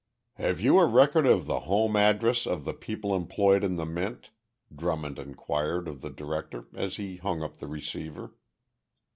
"Have you a record of the home address of the people employed in the Mint?" Drummond inquired of the director, as he hung up the receiver.